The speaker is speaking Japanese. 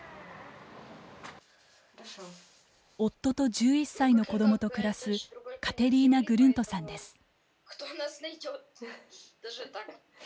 夫と１１歳の子どもと暮らすカテリーナ・グルントさんです。